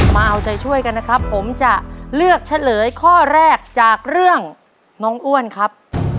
มาเอาใจช่วยกันนะครับผมจะเลือกเฉลยข้อแรกจากเรื่องน้องอ้วนครับ